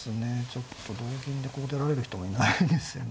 ちょっと同銀でここ出られる人もいないですよね。